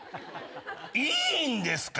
いいんですか？